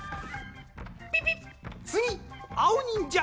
ピピッつぎあおにんじゃ！